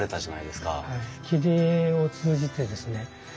切り絵を通じてですね